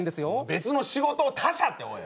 別の仕事を「他社」っておい！